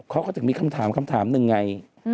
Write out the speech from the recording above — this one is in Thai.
เขาก็ต้องมีคำถามนึงไง